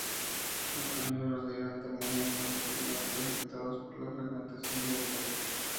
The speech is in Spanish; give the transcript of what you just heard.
Los carnívoros de gran tamaño están particularmente afectados por la fragmentación del hábitat.